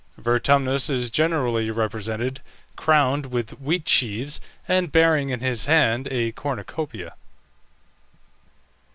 Vertumnus is generally represented crowned with wheat sheaves, and bearing in his hand a cornucopia.